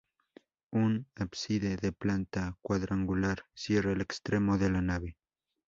Un ábside de planta cuadrangular cierra el extremo de la nave.